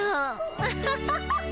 アハハハハ。